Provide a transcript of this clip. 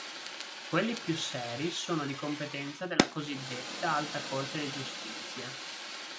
Quelli più seri sono di competenza della cosiddetta Alta corte di giustizia.